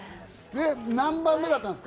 何番目だったんですか？